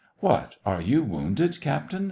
" What, are you wounded, captain ?